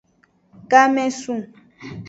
Game su.